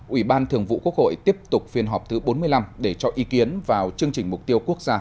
ủy ban thường vụ quốc hội tiếp tục phiên họp thứ bốn mươi năm để cho ý kiến vào chương trình mục tiêu quốc gia